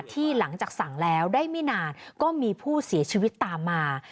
ที่หลังจากสั่งแล้วได้ไม่นานก็มีผู้เสียชีวิตตามมา